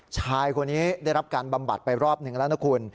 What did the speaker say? ชายคนนี้ได้รับการบำบัดไปรอบหนึ่งแล้วนะคุณ